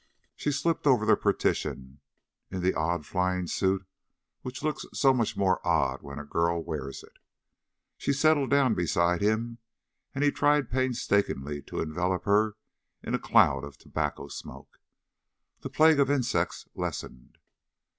She slipped over the partition, in the odd flying suit which looks so much more odd when a girl wears it. She settled down beside him, and he tried painstakingly to envelope her in a cloud of tobacco smoke. The plague of insects lessened.